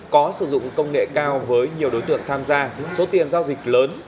có sử dụng công nghệ cao với nhiều đối tượng tham gia số tiền giao dịch lớn